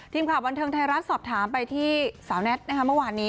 ทีมข่าวบันเทิงไทยรัฐสอบถามไปที่สาวแน็ตนะคะเมื่อวานนี้